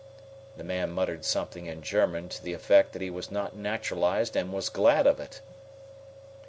The man muttered something in German to the effect that he was not naturalized and was glad of it.